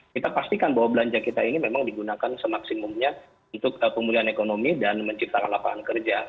kita pastikan bahwa belanja kita ini memang digunakan semaksimumnya untuk pemulihan ekonomi dan menciptakan lapangan kerja